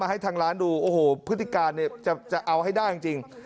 ให้ทางร้านดูโอ้โหพฤติการเนี่ยจะเอาให้ได้จริง